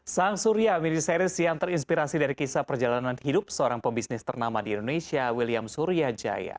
sang surya mini series yang terinspirasi dari kisah perjalanan hidup seorang pebisnis ternama di indonesia william surya jaya